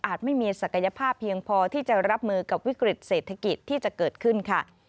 ไม่มีศักยภาพเพียงพอที่จะรับมือกับวิกฤตเศรษฐกิจที่จะเกิดขึ้นค่ะ